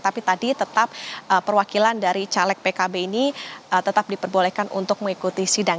tapi tadi tetap perwakilan dari caleg pkb ini tetap diperbolehkan untuk mengikuti sidang